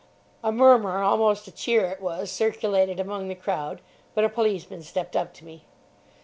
A murmur, almost a cheer it was, circulated among the crowd. But a policeman stepped up to me.